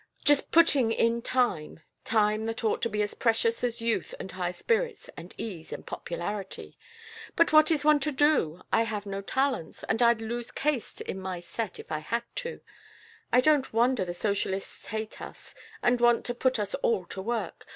"Just putting in time time that ought to be as precious as youth and high spirits and ease and popularity! But what is one to do? I have no talents, and I'd lose caste in my set if I had. I don't wonder the Socialists hate us and want to put us all to work.